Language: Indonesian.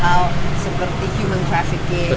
bagaimana mencegah perdagangan orang dan lain sebagainya